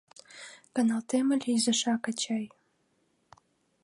Каналтем ыле изишак, ачай.